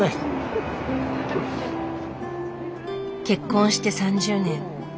結婚して３０年。